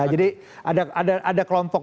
jadi ada kelompok